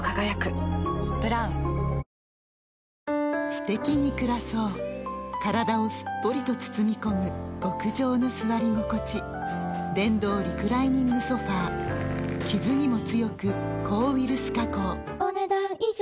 すてきに暮らそう体をすっぽりと包み込む極上の座り心地電動リクライニングソファ傷にも強く抗ウイルス加工お、ねだん以上。